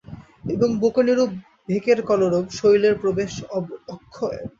এবং বকুনিরূপ ভেকের কলরব– শৈলের প্রবেশ অক্ষয়।